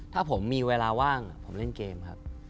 ถ้าผมมีเวลาว่างผมเล่นเกมครับ